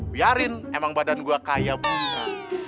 biarin emang badan gue kaya bangga